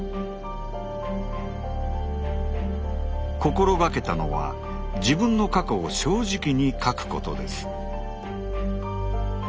心がけたのは自分の過去を正直に書くことです。